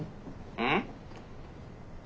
うん？